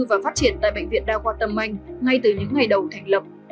và phát triển tại bệnh viện đa khoa tâm anh ngay từ những ngày đầu thành lập